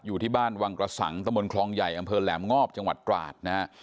อยู่ที่บ้านวังกระสังตะมนต์คลองใหญ่อำเภอแหลมงอบจังหวัดตราดนะฮะ